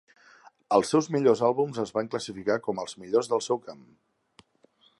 Els seus millors àlbums es van classificar com els millors del seu camp.